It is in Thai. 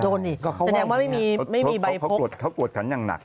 โดนนี่แสดงว่าไม่มีใบพกเขากดฉันอย่างหนัก